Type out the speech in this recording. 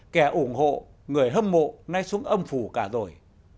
kẻ ủng hộ người hâm mộ nay xuống âm phù cả rồi